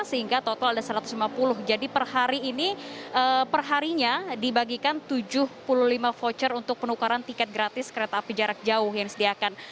sehingga total ada satu ratus lima puluh jadi perharinya dibagikan tujuh puluh lima voucher untuk penukaran tiket gratis kereta api jarak jauh yang disediakan